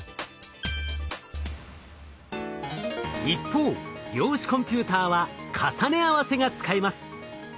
一方量子コンピューターは重ね合わせが使えます。